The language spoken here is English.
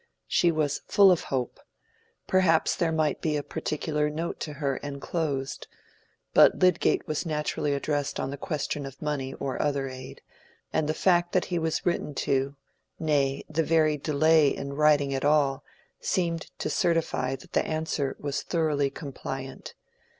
She was full of hope. Perhaps there might be a particular note to her enclosed; but Lydgate was naturally addressed on the question of money or other aid, and the fact that he was written to, nay, the very delay in writing at all, seemed to certify that the answer was thoroughly compliant.